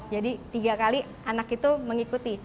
jadi tiga kali anak itu mengikuti